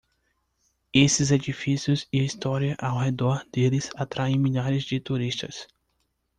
Esses edifícios e a história ao redor deles atraem milhares de turistas.